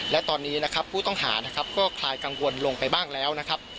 และตอนนี้ผู้ต้องหาก็คลายกังวลลงไปบ้างแล้ว